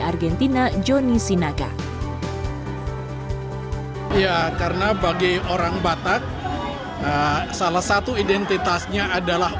argentina joni sinaga ya karena bagi orang batak salah satu identitasnya adalah